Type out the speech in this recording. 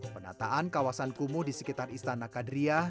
penataan kawasan kumuh di sekitar istana kadriah